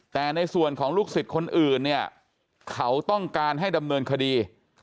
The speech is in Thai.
แต่ในส่วนของลูกศิษย์คนอื่นเนี่ยเขาต้องการให้ดำเนินคดี